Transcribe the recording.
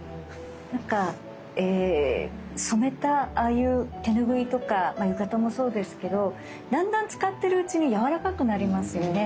なんか染めたああいう手ぬぐいとか浴衣もそうですけどだんだん使ってるうちに柔らかくなりますよね。